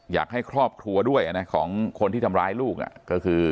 อยากให้ครอบครัวด้วยของคนที่ทำร้ายลูกก็คือ